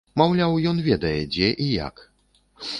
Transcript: Маўляў, ён ведае, дзе і як.